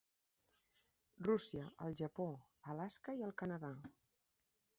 Rússia, el Japó, Alaska i el Canadà.